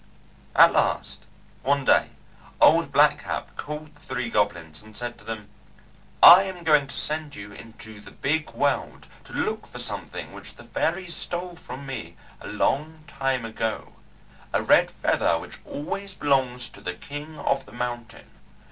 At last, one day Old Black Cap called the three goblins and said to them: "I am going to send you into the Big World to look for something which the fairies stole from me a long time ago. A Red Feather which always belongs to the King of the Mountain.